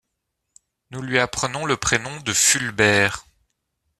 Nous lui apprenons le prénom de Fulbert